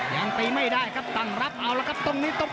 ยังตีไม่ได้ครับต่างรับเอาละครับ